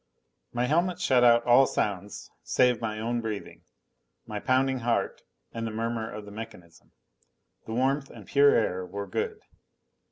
My helmet shut out all sounds save my own breathing, my pounding heart, and the murmur of the mechanism. The warmth and pure air were good.